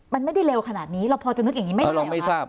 มันไม่ได้เร็วขนาดนี้เราพอจะนึกอย่างนี้ไม่ได้